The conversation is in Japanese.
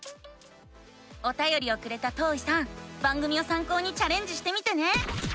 おたよりをくれたとういさん番組をさん考にチャレンジしてみてね！